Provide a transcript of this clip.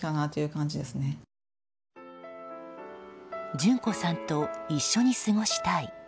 順子さんと一緒に過ごしたい。